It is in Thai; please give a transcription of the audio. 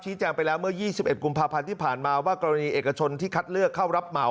แจ้งไปแล้วเมื่อ๒๑กุมภาพันธ์ที่ผ่านมาว่ากรณีเอกชนที่คัดเลือกเข้ารับเหมา